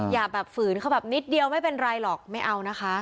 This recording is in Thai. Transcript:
อย่าแบบฝืนเขาแบบนิดเดียวไม่เป็นไรหรอกไม่เอานะคะ